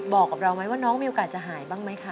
รายการต่อไปนี้เป็นรายการทั่วไปสามารถรับชมได้ทุกวัย